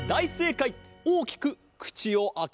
おおきくくちをあけるかばだ！